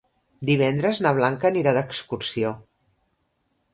Divendres na Blanca anirà d'excursió.